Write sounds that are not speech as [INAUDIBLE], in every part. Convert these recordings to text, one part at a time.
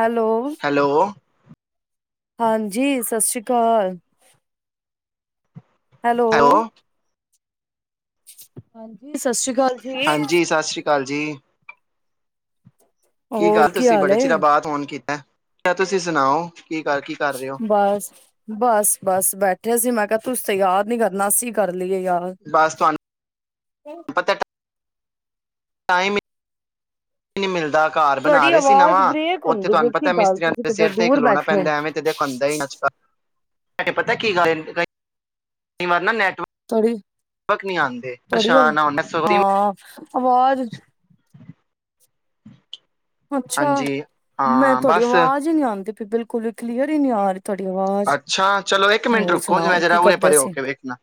Hello. Hello, ਹਾਂਜੀ, ਸਤਿ ਸ੍ਰੀ ਅਕਾਲ। ਹੈਲੋ। [UNINTELLIGIBLE] ਸਤਿ ਸ਼੍ਰੀ ਅਕਾਲ ਜੀ। ਹਾਂਜੀ ਸਤਿ ਸ੍ਰੀ ਅਕਾਲ ਜੀ। ਕੀ ਹੋਰ ਗੱਲ ਤੁਸੀਂ ਹਾਲ ਬੜੇ ਏ ਚਿਰਾ ਬਾਅਤ ਹੋਨ ਕੀਤ ਤੁਸੀਂ ਸੁਣਾਓ ਕਰ ਕੀ ਕਰ ਰਹੇ ਹੋ, ਬਸ-ਬਸ-ਬਸ ਬੈਠ ਬੈਠਿਆ ਸੀ ਮੈਂ ਕਿਹਾ ਤੁੂੰਂਸ ਤੇ ਯਾਦ ਨੀ ਕਰਨਾ ਅਸੀ ਕਾਰ ਚੱਲੀਏ ਯਾਰ ਬਸ ਤੁਹਾਨੂੰ ਪਤਾ ਟਾਈਮ ਨੀ ਮਿਲਦਾ। ਘਰ ਬਣਾ ਤੁਹਾਡੀ ਰਹੇ ਸੀ ਆਵਾਜ਼ ਨਵਾਂ, ਬ੍ਰੇਕ ਉੱਥੇ ਹੁੰਦੀ ਪਈ ਤੁਹਾਨੂੰ ਕੀ ਪਤਾ ਗੱਲ ਮਿਸਤਰੀਆਂ ਤੁਸੀਂ ਦੇ ਕਿਤੇ ਸਿਰ ਤੇ ਇ ਦੂਰ ਖਲੋਣਾ ਬੈਠੇ ਪੈਂਦਾ ਹੈ। ਐਵੇਂ ਤੇ ਦੇਖੋ ਬਣਦਾ ਹੀ ਅੱਜ ਕਾ [UNINTELLIGIBLE] ਕਈ ਵਾਰ ਨਾ ਨੈਟ [UNINTELLIGIBLE] ਤੁਹਾਡੀ ਆਉਂਦੇ ਹੁਣ ਪਰੇਸ਼ਾਨ ਅਵਾਜ ਚ [INAUDIBLE] ਅੱਛਾ। ਹਾਂਜੀ ਮੈਂ ਹਾਂ ਤੁਹਾਡੀ ਬਸ ਆਵਾਜ਼ ਹੀ ਨਹੀਂ ਆਉਂਦੀ ਬਿਲਕੁਲ ਹੀ ਕਲੀਅਰ ਹੀ ਨਹੀਂ ਆ ਰੀ। ਅੱਛਾ ਚਲੋ ਇੱਕ ਮਿੰਟ ਰੁਕੋ ਸੁਣਾਓ ਮੈਂ ਕੀ ਜਰਾ ਉੂਰੇ ਕਰਦੇ ਪਰੇ ਹੋ ਸੀ ਕੇ ਵੇਖਣਾ,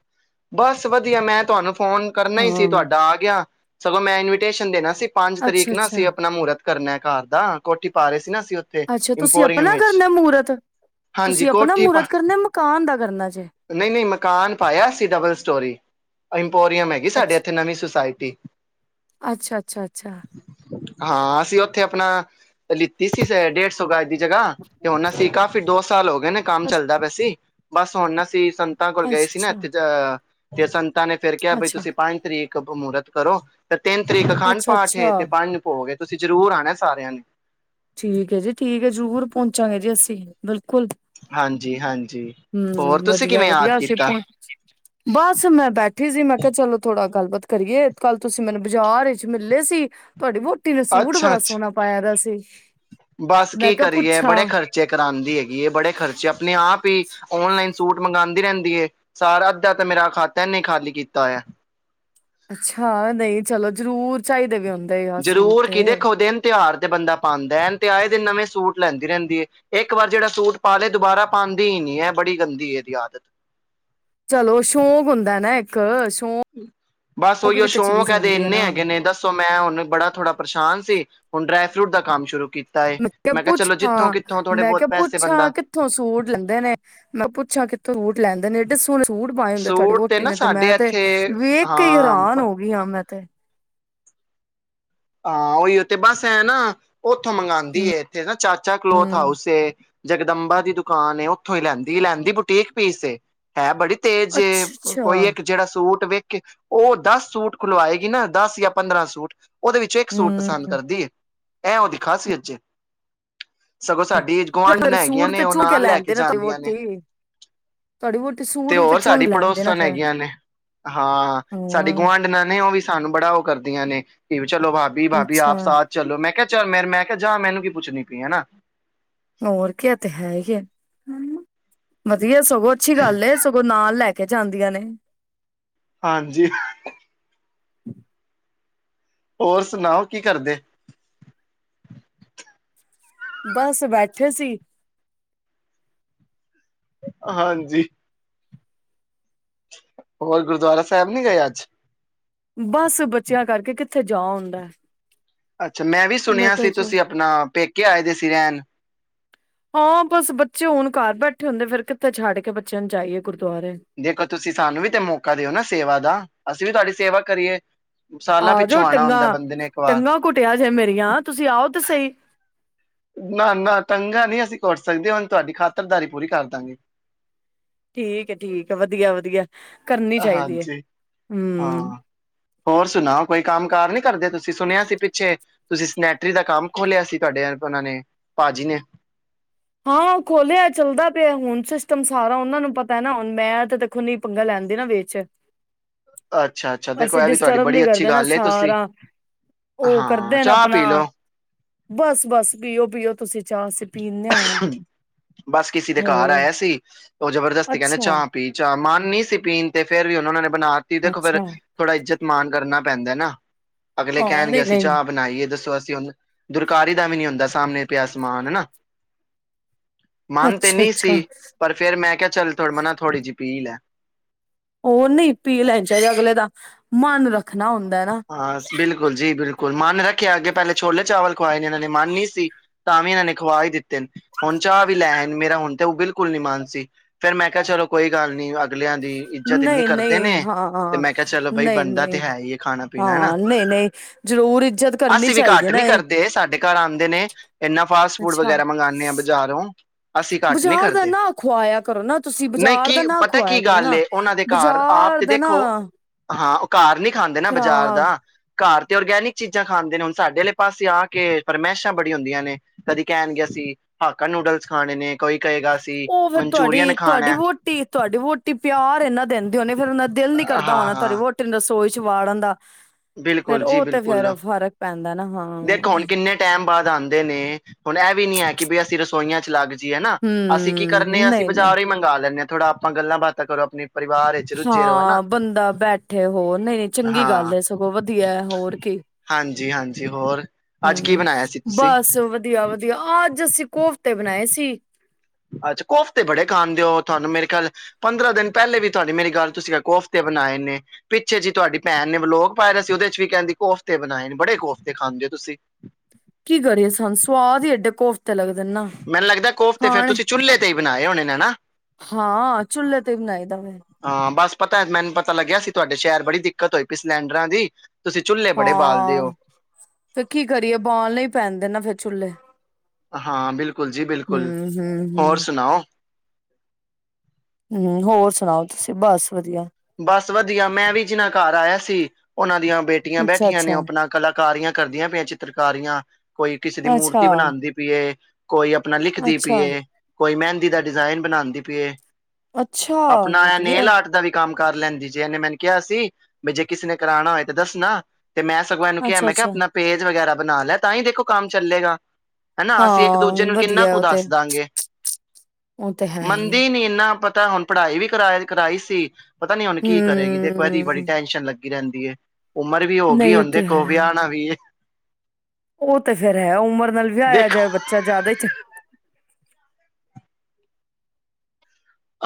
ਬਸ ਵਧੀਆ, ਮੈਂ ਤੁਹਾਨੂੰ ਫੋਨ ਕਰਨਾ ਹੀ ਸੀ ਹਾਂ ਤੁਹਾਡਾ ਆ ਗਿਆ। ਸਗੋਂ ਮੈਂ ਇਨਵੀਟੇਸ਼ਨ ਦੇਣਾ ਸੀ। ਪੰਜ ਤਰੀਕ ਅੱਛਾ ਨਾ ਅਸੀਂ ਅੱਛਾ ਆਪਣਾ ਮਹੂਰਤ ਕਰਨਾ ਏ ਘਰ ਦਾ, ਕੋਠੀ ਪਾ ਰਹੇ ਸੀ ਨਾ ਅਸੀਂ ਉੱਥੇ ਅੱਛਾ ਤੁਸੀਂ ਇੰਪੋਰੀਅਮ ਆਪਣਾ ਵਿੱਚ। ਕਰਨਾ ਮਹੂਰਤ ਹਾਂਜੀ ਤੁਸੀਂ ਆਪਣਾ ਕੋਠੀ ਪ, ਮਹੂਰਤ ਕਰਨਾ ਮਕਾਨ ਦਾ ਕਰਨਾ ਜੇ ਨਹੀਂ ਨਹੀਂ ਮਕਾਨ ਪਾਇਆ ਅਸੀ ਤਾਂ ਸਟੋਰੀ [UNINTELLIGIBLE] ਪੋਰੀਅਮ ਹੈਗੀ ਸਾਡੇ ਇੱਥੇ ਅੱਛਾ ਨਵੀ ਸੁਸਾਇਟੀ। [INAUDIBLE] ਅੱਛਾ- ਅੱਛਾ-ਅੱਛਾ। ਹਾਂ, ਅਸੀਂ ਉੱਥੇ ਆਪਣਾ ਲਿੱਤੀ ਸੀ ਡੇਢ ਸੌ ਗਜ ਦੀ ਜਗ੍ਹਾ ਤੇ ਹੁਣ ਅਸੀ ਕਾਫ਼ੀ ਦੋਸਤ ਸਾਲ ਹੋ ਗਏ ਨ ਕੰਮ ਚੱਲਦਾ ਪੈ ਸੀ। ਬਸ ਹੁਣ ਅਸੀ ਸੰਤਾਂ ਕੋਲ ਗਏ ਸੀ ਨਾ ਅੱਛਾ [UNINTELLIGIBLE] [UNINTELLIGIBLE] ਤਾਂ ਨੇ ਫਿਰ ਕਿਯਾ ਬਈ ਅੱਛਾ ਤੁਸੀਂ ਪੰਜ ਤਰੀਕ ਬ ਮੂਰਤ ਤੈ। [UNINTELLIGIBLE] ਤਿੰਨ ਤਰੀਕ ਅੰਖਡ ਅੱਛਾ ਪਾਠ ਏ ਅੱਛਾ ਪੰਜ ਨੂ ਭੋਗ ਏ। ਤੁਸੀਂ ਜ਼ਰੂਰ ਆਣਾ ਸਾਰਿਆਂ ਨੇ। ਠੀਕ ਹੈ ਜੀ, ਠੀਕ ਹੈ। ਜ਼ਰੂਰ ਪਹੁੰਚਾਂਗੇ ਜੀ ਅਸੀਂ। ਬਿਲ ਕੁਲ ਹਾਂਜੀ ਹਾਂਜੀ ਹੋਰ ਹਮ, ਤੁਸੀਂ ਵਧੀਆ ਕਿਵੇਂ ਯਾਦ ਵਧੀਆ ਅਸੀ ਕੀਤਾ ਪੋ--ਬਸ ਮੈਂ ਬੈਠੀ ਸੀ ਮੈਂ ਕਿਹਾ ਚਲੋ ਥੋੜਾ ਗੱਲਬਾਤ ਕਰੀਏ, ਕੱਲ ਤੁਸੀਂ ਮੈਨੂੰ ਬਾਜ਼ਾਰ ਇਚ ਮਿਲੇ ਸੀ ਤੁਹਾਡੀ ਵੋਹ ਟੀ ਨੇ ਸੂਟ ਅੱਛਾ ਬੜਾ ਅੱਛਾ ਸੋਹਣਾ ਪਾਇਆ ਦਾ ਸੀ। ਬਸ ਮੈਂ ਕੀ ਕਿਹਾ ਕਰੀਏ ਪੁੱਛਾਂ ਬੜੇ ਖਰਚੇ ਕਰਾਉਂਦੀ ਹੈਗੀ ਏ ਬੜੇ ਖਰਚੇ ਆਪਣੇ ਆਪ ਈ ਔਨਲਾਈਨ ਸੂਟ ਮੰਗਾਦੀ ਰੈੰਦੀ ਏ। ਸਾਰਾ ਅੱਧਾ ਤੇਂ ਮੇਰਾ ਖਾਤਾ ਏਨੇ ਖਾਲੀ ਕੀਤਾ ਹੋਯਾ। ਅੱਛਾ, ਨਹੀਂ ਚਲੋ ਜ਼ਰੂਰ ਚਾਹੀ ਦੇਵੀ ਹੂੰ ਜ਼ਰੂਰ ਕੀ ਦੇਖੋ ਦਿਨ ਤਿਉਹਾਰ ਤੇ ਬੰਦਾ ਪਾਉਂਦਾ। ਐਨ ਤੇ ਆਏ ਦਿਨ ਨਵੇਂ ਸੂਟ ਲੈਂਦੀ ਰੈੰਦੀ ਏ, ਇੱਕ ਵਾਰ ਜਿਹੜਾ ਸੂਟ ਪਾ ਲਏ ਦੁਬਾਰਾ ਪਾਂਦੀ ਈ ਨੀ ਐ ਬੜੀ ਗੰਦੀ ਐਦੀ ਆਦਤ। ਚਲੋ, ਸ਼ੌਕ ਹੁੰਦਾ ਨਾ ਇੱਕ। ਸ਼ੌਕ ਬਸ, ਓਹੀਓ ਵੀ ਤਾਂ ਸ਼ੌਕ ਚੀਜ਼ ਏਦੇ ਹੁੰਦੀ ਹੈ ਇੰਨੇ ਨਾ ਹੈਗੇ ਨੇ। ਦੱਸੋ, ਮੈਂ ਹੂਣ ਬੜਾ ਥੋੜਾ ਪਰੇਸ਼ਾਨ ਸੀ। ਹੁਣ ਡਰਾਏ ਫਰੂਟ ਦਾ ਕੰਮ ਸ਼ੁਰੂ ਕੀਤ ਮੈਂ ਕਿਹਾ ਪੁੱਛਾਂ, ਮੈਂ ਬਹੁਤ ਕਿਹਾ ਪੈਸੇ ਪੁੱਛਾਂ ਬੰਦਾ ਕਿੱਥੋਂ ਸੂਟ ਲੈਂਦੇ ਨੇ? ਮੈਂ ਪੁੱਛਾਂ ਕਿੱਥੋਂ ਸੂਟ ਲੈਂਦੇ ਨੇ? ਏਡੇ ਸੋਹਣੇ ਸੂਟ। ਪਾਏ ਹੁੰਦੇ ਤੁਹਾਡੀ ਸੂਟ ਵੋਟੀ ਨਾ ਨੇ ਤੇ, ਸਾਡੇ ਮੈਂ ਤੇ ਇੱਥੇ ਵੇਖ ਕੇ ਈ ਹਾਂ ਹੈਰਾਨ ਹੋ ਗੀ ਆ। ਮੈਂ ਤੇ। ਹਾਂ ਓਹੀਓ ਤੇ ਬਸ ਐ ਨਾ ਉੱਥੋਂ ਮੰਗਾਦੀ ਹੂੰ ਏ। ਇੱਥੇ ਨਾ ਚਾਚਾ ਕਲੋਥ ਹੂੰ ਹਾਊਸ ਏ। ਜਗਦੰਬਾ ਦੀ ਦੁਕਾਨ ਏ ਉੱਥੋਂ ਹੀ ਲੈਂਦੀ। ਲੈਂਦੀ ਬੁਟੀਕ ਪੀਸ ਏ, ਹੈ ਬੜੀ ਤੇਜੇ ਅੱਛਾ ਅੱਛਾ ਕੋਈ ਇੱਕ ਜਿਹੜਾ ਸੂਟ ਵੇਖ ਉਹ ਦਸ ਸੂਟ ਖੁਲਵਾਏਗੀ ਨਾ ਦਸ ਜਾਂ ਪੰਦਰਾਂ ਸੂਟ। ਔਦੇ ਵਿੱਚੋਂ ਇੱਕ ਸੂਟ ਪਸੰਦ ਹੂੰ ਕਰਦੀ ਏ। ਇਹ ਉਹਦੀ ਖਾਸੀਅਤ ਜੇ। ਸਗੋਂ ਸਾਡੀ ਫਿਰ ਗੁਆਂਢਣਾ ਹੈਗੀਆਂ ਸੂਟ ਨੇ ਤੇ ਉਹ ਚੁਣ ਨਾਲ ਲੈ ਕੇ ਲੈਂਦੇ ਨਾ ਤੁਹਾਡੀ ਜਾਂਦੀਆਂ ਨੇ। ਵਹੁਟੀ ਤੁਹਾਡੀ ਵਹੁਟੀ ਤੇ ਸੂਟ ਵੀ ਹੋਰ ਚੁਣ ਸਾਡੀ ਲੈਂਦੇ ਨਾ ਪੜੋਸਣ ਫਿਰ ਹੈਗੀਆਂ ਨੇ, ਹਾਂ ਸਾਡੀ ਹੋਰ ਗੁਆਂਢਣਾ ਨੇ ਉਹ ਵੀ ਸਾਨੂੰ ਬੜਾ ਓ ਕਰਦੀਆਂ ਨੇ। ਕਿ ਚਲੋ ਭਾਬੀ ਭਾਬੀ ਆਪ ਅੱਛਾ ਸਾਥ ਚਲੋ। ਮੈਂ ਕਿਆ ਚੱਲ ਮੇਰ ਮੈਂ ਕਿਆ ਜਾਂ ਮੈਨੂੰ ਕੀ ਪੁੱਛਣੀ ਪੀ ਏ ਹੈਨਾ। ਹੋਰ ਕੇ ਏ ਤੇ ਹੈ ਈ ਏ। ਵਧੀਐ ਸਗੋਂ ਅੱਛੀ ਗੱਲ ਏ ਸਗੋਂ ਨਾਲ ਲੈ ਕੇ ਜਾਂਦੀਆ ਨੇ। ਹਾਂਜੀ। [INAUDIBLE] [INAUDIBLE] ਹੋਰ ਸੁਣਾਓ ਕੀ ਕਰਦੇ। ਬਸ ਬੈਠੇ ਸੀ। ਹਾਂਜੀ। ਹੋਰ ਗੁਰਦੁਆਰਾ ਸਾਹਿਬ ਨੀ ਗਏ ਅੱਜ। ਬਸ ਬੱਚਿਆਂ ਕਰਕੇ ਕਿੱਥੇ ਜਾ ਹੂੰਦਾ ਏ। ਅੱਛਾ ਮੈਂ ਵੀ ਸੁਣਿਆ ਸੀ ਤੁਸੀਂ ਆਪਣਾ ਪੇਕੇ ਆਏ ਦੇ ਸੀ ਰਹਿਣ। ਹਾਂ ਬਸ ਬੱਚੇ ਹੁਣ ਘਰ ਬੈਠੇ ਹੁੰਦੇ ਫਿਰ ਕਿੱਥੇ ਛੱਡ ਕੇ ਬੱਚਿਆਂ ਨੂੰ ਜਾਈਏ ਗੁਰ ਦੇਖੋ ਤੁਸੀਂ ਸਾਨੂੰ ਵੀ ਤੇ ਮੌਕਾ ਦਿਓ ਨਾ ਸੇਵਾ ਦਾ ਅਸੀਂ ਵੀ ਤੁਹਾਡੀ ਸੇਵਾ ਕਰੀਏ ਸਾਲਾਂ ਆ ਜਾਓ ਪਿੱਛੋਂ ਆਉਣਾ ਹੁੰਦਾ ਟੰਗਾਂ ਬੰਦੇ ਨੇ ਇੱਕ ਵਾਰ ਟੰਗਾਂ ਘੁਟਿਆ ਜੇ ਮੇਰੀਆਂ ਤੁਸੀਂ ਆਓ ਤੇ ਸਹੀ ਨਾ ਨਾ ਟੰਗਾ ਨਹੀਂ ਅਸੀਂ ਘੁਟ ਸਕਦੇ ਹੁਣ ਤੁਹਾਡੀ ਖਾਤਰਦਾਰੀ ਪੂਰੀ ਕਰਦਾਂਗੇ। ਠੀਕ ਏ ਠੀਕ ਏ ਵਧੀਆ ਵਧੀਆ। ਕਰਨੀ ਚਾਹੀਦੀ ਹੈ ਹਾਂਜੀ ਹਾਂ ਹਮ। ਹੋਰ ਸੁਣਾ ਕੋਈ ਕੰਮ ਕਾਰ ਨੀ ਕਰਦੇ, ਤੁਸੀਂ ਸੁਣਿਆ ਸੀ ਪਿੱਛੇ ਤੁਸੀਂ ਸਨੈਟਰੀ ਦਾ ਕੰਮ ਖੋਲਿਆ ਸੀ, ਤੁਹਾਡੇ ਉਹ ਨੇ ਭਾਜੀ ਨੇ। ਹਾਂ ਉਹ ਖੋਲਿਆ ਚੱਲਦਾ ਪਿਆ ਹੁਣ ਸਿਸਟਮ ਸਾਰਾ ਉਹਨਾਂ ਨੂੰ ਪਤਾ ਨਾ ਹੁਣ ਮੈਂ ਤੇ ਦੇਖੋ ਨਹੀਂ ਪੰਗਾ ਲੈਂਦੀ ਨਾ ਵੇਚ। ਅੱਛਾ ਅੱਛਾ ਦੇਖੋ ਇਹ ਵੀ ਤੁਹਾਡੀ ਬੜੀ ਅੱਛੀ ਕਰਦੇ ਨਾ ਗੱਲ, ਤੁਸੀਂ ਸਾਰਾ ਉਹ ਹਾਂ ਕਰਦੇ ਨੇ ਚਾਹ ਪੀ ਆਪਣਾ ਲਓ। ਬਸ ਬਸ ਪੀਓ ਪੀਓ ਤੁਸੀਂ ਚਾਹ ਅਸੀ ਪੀ ਬਸ ਕਿਸੇ ਦੇ ਘਰ ਆਇਆ ਸੀ ਉਹ ਜਬਰਦਸਤੀ ਕਹਿੰਦੇ ਅੱਛਾ ਚਾਹ ਪੀ ਚਾਹ ਮਨ ਨਈ ਸੀ ਪੀਣ ਤੇ। ਫੇਰ ਵੀ ਉਹਨਾਂ ਨੇ ਬਣਾਤੀ ਦੇਖ ਫਿਰ ਅੱਛਾ ਥੋੜਾ ਇੱਜਤ ਮਾਨ ਕਰਨਾ ਪੈਂਦਾ ਨਾ। ਅਗਲੇ ਹਾਂ ਕਹਿਣਗੇ ਨਹੀਂ ਅਸੀਂ ਨਹੀਂ ਚਾਹ ਬਣਾਈਏ ਦੱਸੋ ਅਸੀਂ ਦੁਰਕਾਰੀ ਦਾ ਵੀ ਨੀ ਹੁੰਦਾ ਸਾਹਮਣੇ ਪਿਆ ਸਮਾਨ ਹਨਾ। ਮਨ ਤੇ ਅੱਛਾ ਨਹੀਂ ਅੱਛਾ ਸੀ ਪਰ ਫੇਿਰ ਮੈਂ ਕਿਹਾ ਚੱਲ [UNINTELLIGIBLE] ਮਨਾ ਥੋੜ੍ਹੀ ਜਿਹੀ ਪੀਲ਼ੇ। ਉਹ ਨਹੀਂ ਪੀ ਲੈਣ ਚਾਹੀਦਾ ਅਗਲੇ ਦਾ ਮਨ ਰੱਖ ਹਾਂ ਬਿਲਕੁਲ ਜੀ ਬਿਲਕੁਲ ਗਲ ਮਨ ਨੇ ਰੱਖਿਆ ਪਹਿਲੇ ਛੋਲੇ ਚਾਵਲ [UNINTELLIGIBLE] ਮੰਨ ਨਹੀਂ ਸੀ ਤਾਂ ਵੀ ਇਹਨਾਂ ਨੇ ਖਵਾ ਹੀ ਦਿੱਤੇ ਨੇ, ਹੁਣ ਚਾਹ ਵੀ ਲੈ ਆਏ ਨੇ, ਮੇਰਾ ਹੁਣ ਤੇ ਉਹ ਬਿਲਕੁਲ ਨੀ ਮਨ ਸੀ, ਫੇਰ ਮੈਂ ਕਿਹਾ ਚਲੋ ਕੋਈ ਗੱਲ ਨ ਅਗਲਿਆਂ ਦੀ। ਦੀ ਇੱਜਤ ਇੰਨੀ ਨਹੀਂ ਕਰਦੇ ਨਹੀਂ ਨੇ ਤੇ ਹਾਂ ਮੈਂ ਕਿਹਾ ਚਲੋ ਬਾਈ ਨਹੀਂ ਬਣਦਾ ਤੇ ਨਹੀਂ ਹੈ ਈ ਐ। ਖਾਣਾ ਪੀਣਾ ਹਨਾ ਹਾਂ ਨਹੀਂ ਨਹੀਂ ਜ਼ਰੂਰ ਇੱਜਤ ਕਰਨੀ ਅਸੀਂ ਵੀ ਚਾਹੀਦੀ ਘੱਟ ਨਾ ਨੀ ਇਹ ਕਰਦੇ ਸਾਡੇ ਘਰ ਆਉਂਦੇ ਨੇ ਇਨਾ ਫਾਸਟ ਫੂਡ ਵਗੈਰਾ ਮੰਗਵਾਉਂਦੇ ਹਾਂ ਬਾਜ਼ਾਰੋਂ। ਅਸੀਂ ਘੱਟ ਨਹੀਂ ਬਜ਼ਾਰ ਦਾ ਕਰਦੇ ਨਾਂ ਖੁਆਇਆ ਕਰੋ ਨਾ ਤੁਸੀਂ ਨਹੀਂ ਬਾਜ਼ਾਰ ਦਾ ਕੀ ਨਾਂ ਪਤਾ ਕੀ ਖਆਇਆ ਕਰੋ ਗੱਲ ਨਾ ਏ, ਉਹਨਾਂ ਦੇ ਘਰ ਆਪ ਬਜ਼ਾਰ ਤੇ ਦਾ ਦੇਖੋ ਨਾ- ਹਾਂ ਉਹ ਘਰ ਨਹੀਂ ਖਾ ਬਾਜ਼ਾਰ ਖ਼ਰਾਬ ਦਾ। ਘਰ ਤੇ ਔਰਗੈਨਿਕ ਚੀਜ਼ਾਂ ਖਾਂਦੇ ਨੇ ਹੁਣ ਸਾਡੇ ਆਲੇ ਪਾਸੇ ਆ ਕੇ ਫਰਮਾਇਸ਼ਾਂ ਬੜੀ ਹੁੰਦੀਆਂ ਨੇ ਕਦੀ ਕਹਿਣਗੇ ਅਸੀਂ ਹਾਕਾ ਨੂਡਲਸ ਖਾਣੇ ਨੇ ਕੋਈ ਕਹੇਗਾ ਅਸੀਂ ਉਹ ਫੇਰ, ਮਨਚੂਰੀਅਨ ਤੁਹਾਡੀ ਤੁਹਾਡੀ ਖਾਣਾ ਵੋਟੀ ਤੁਹਾਡੀ ਵਹੁਟੀ ਪਿਆਰ ਇਨਾ ਦਿੰਦੇ ਨੇ ਫੇਰ, ਉਹਨਾਂ ਦਿਲ ਨੀ ਕਰਦਾ ਹੋਣਾ, ਤੁਹਾਡੀ ਹਾਂ ਵੋਹਟੀ ਦਾ ਰ ਵਿੱਚ ਵਾੜਨ ਦਾ ਫਿਰ, ਬਿਲਕੁਲ ਜੀ ਉਹ ਤੇ ਫੇਰ, ਬਿਲਕੁਲ ਫ਼ਰਕ ਪੈਂਦਾ ਨਾ, ਹਾਂ। ਬਾਦ ਆਉਂਦੇ ਨੇ ਹੁਣ ਇਹ ਵੀ ਨਹੀਂ ਹੈ, ਕੇ ਬੇ ਸੋਈਆ ਚ ਲ ਹੈ ਨਾ ਅਸੀਂ ਕੀ ਹਮ ਕਰਨੇ ਹਾਂ, ਅਸੀਂ ਨਹੀਂ ਨਹੀਂ ਬਾਜ਼ਾਰ ਹੀ ਮੰਗਵਾ ਲੈਂਨੇ ਹਾਂ। ਥੋੜਾ ਆਪਾਂ ਗੱਲਾਂ ਬਾਤਾਂ ਕਰੋ, ਆਪਣੀ ਹਾਂ, ਬੰਦਾ ਬੈਠੇ ਹੋਰ ਨਹੀਂ ਚੰਗੀ ਗੱਲ ਹਾਂ ਹੈ, ਸਗੋਂ ਵਧੀਆ। ਹੋਰ ਕੀ? ਹਾਂਜੀ ਹਾਂਜੀ ਹੋਰ ਅੱਜ ਕੀ ਹਮ ਬਣਾਇਆ ਸੀ ਤੁਸੀਂ ਬਸ ਵਧੀਆ। ਵਧੀਆ ਅੱਜ ਅਸੀਂ ਕੋਫਤੇ ਬਣਾਏ ਸੀ। ਅੱਛਾ ਕੋਫਤੇ ਬੜੇ ਖਾਂਦੇ ਹੋ, ਤੁਹਾਨੂੰ ਮੇਰੇ ਖਿਆਲ ਪੰਦਰਾਂ ਦਿਨ ਪਹਿਲੇ ਵੀ ਤੁਹਾਡੀ ਮੇਰੀ ਗੱਲ ਤੁਸੀਂ ਕਿਹਾ ਕੋਫਤੇ ਬਣਾਏ ਨੇ ਪਿੱਛੇ ਜੀ ਤੁਹਾਡੀ ਭੈਣ ਨੇ ਵਲੋਗ ਪਾਇਆ ਦਾ ਸੀ, ਉਹਦੇ ਚ ਵੀ ਕਹਿੰਦੀ ਕੋਫਤੇ ਬਣਾਏ ਨੇ ਬੜੇ ਕੋਫਤੇ ਖਾਂਦੇ ਹੋ ਤੁਸੀਂ। ਕੀ ਕਰੀਏ, ਸਾਨੂੰ ਸੁਵਾਦ ਹੀ ਐਡੇ ਕੋਫ ਮੈਨੂੰ ਲੱਗਦਾ, ਕੋਫਤੇ ਫਿਰ ਤੁਸੀਂ ਚੁੱਲ੍ਹੇ ਤੇ ਹੀ ਬਣਾਏ ਹੋਣੇ ਨੇ ਨਾ ਹਾਂ, ਚੁੱਲ੍ਹੇ ਤੇ ਹੀ ਬਣਾਏ। ਹਾਂ, ਬਸ ਪਤਾ ਮੈਨੂੰ ਪਤਾ ਲੱਗਿਆ ਸੀ, ਤੁਹਾਡੇ ਸ਼ਹਿਰ ਬੜੀ ਦਿੱਕਤ ਹੋਈ ਪਈ ਸਿਲੈਂਡਰਾਂ ਦੀ। ਤੁਸੀਂ ਚੁੱਲ੍ਹੇ ਬੜੇ ਬਾਲਦੇ ਹਾਂ ਹੋ ਫਿਰ ਕੀ ਕਰੀਏ, ਬਾਲਣੇ ਪੈਂਦੇ ਨਾ ਫੇਰ ਚੁੱਲ੍ਹੇ ਹਾਂ ਬਿਲਕੁਲ ਜੀ ਬਿਲਕੁਲ ਹੂੰ ਹੋਰ ਹੂੰ। ਸੁਣਾਓ ਹੂੰ ਹੋਰ ਸੁਣਾਓ, ਤੁਸੀਂ ਬਸ ਵਧੀਆ। ਬਸ ਵਧੀਆ ਮੈਂ ਵੀ ਜਿਨਾ ਘਰ ਆਇਆ ਸੀ, ਉਹਨਾਂ ਦੀਆਂ ਬੇਟੀਆਂ ਅੱਛਾ ਬੈਠੀਆਂ ਨੇ, ਅੱਛਾ ਆਪਣਾ ਕਲਾਕਾਰੀਆਂ ਕਰਦੀਆਂ ਪਈਆਂ, ਚਿੱਤਰਕਾਰੀਆਂ ਕੋਈ ਕਿਸੇ ਦੀ ਮੂਰਤੀ ਅੱਛਾ ਬਣਾਉਂਦੀ ਪਈਏ, ਕੋਈ ਆਪਣਾ ਲਿਖਦੀ ਅੱਛਾ ਪਈਏ, ਕੋਈ ਮਹਿੰਦੀ ਦਾ ਡਿਜ਼ਾਇਨ ਬਣਾਉਂਦੀ ਪਈਏ, ਅੱਛਾ ਆਪਣਾ ਵਧੀਆ ਨੇਲ ਆਰਟ ਦਾ ਵੀ ਲੈਂਦੀ ਜੇ, ਇਹਨੇ ਮੈਨੂੰ ਕਿਹਾ ਸੀ ਵੀ ਜੇ ਕਿਸੇ ਨੇ ਕਰਾਉਣਾ ਹੋਏ ਤਾਂ ਦੱਸਣਾ। ਤੇ ਮੈਂ ਸਗੋ ਏਨੂੰ ਕਿਹਾ, ਅੱਛਾ ਮੈਂ ਕਿਹਾ ਅੱਛਾ ਆਪਣਾ ਪੇਜ ਵਗੈਰਾ ਬਣਾ ਲੈ, ਤਾਂ ਹੀ ਦੇਖੋ ਕੰਮ ਚੱਲੇਗਾ ਹਨਾ, ਅਸੀਂ ਇੱਕ ਹਾਂ ਦੂਜੇ ਨੂੰ ਕਿੰਨਾ ਵਧੀਆ ਕੁ ਉਹ ਤੇ ਦੱਸਦਾਗੇ ਉਹ ਤੇ ਹੈ ਹੀ ਹੈ ਮੰਨਦੀ ਨੀ ਪ ਤਾਂ ਹੁਣ ਪੜ੍ਹਾਈ ਵੀ ਕਰਾ ਕਰਾਈ ਸੀ। ਪਤਾ ਨੀ, ਹੁਣ ਕੀ ਕਰੇਗੀ ਦੇਖੋ, ਇਹਦੀ ਬੜੀ ਹਮ ਟੈਨਸ਼ਨ ਲੱਗੀ। ਲੱਗੀ ਕਹਿੰਦੀ ਏ। ਉਮਰ ਵੀ ਹੋ ਗਈ ਨਹੀਂ ਉਹ ਹੁਣ ਤੇ ਦੇਖੋ, ਹੈ ਵਿਆਣਾ ਵੀ ਏ। ਉਹ ਤੇ ਫਿਰ ਹੈ ਉਮਰ। ਨਾਲ ਵਿਆਇਆ ਦੇਖੋ ਜਾਏ ਬੱਚਾ ਜ਼ਿਆਦਾ ਚਗ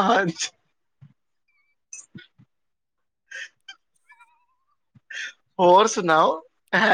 ਆਛ [INAUDIBLE] ਹੋਰ ਸੁਣਾਓ [UNINTELLIGIBLE]